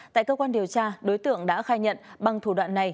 tại cơ quan điều tra đối tượng đã khai nhận bằng thủ đoạn này